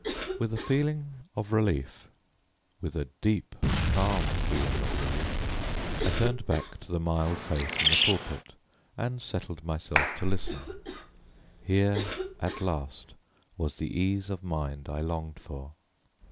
With a feeling of relief with a deep, calm feeling of relief, I turned back to the mild face in the pulpit and settled myself to listen. Here, at last, was the ease of mind I longed for.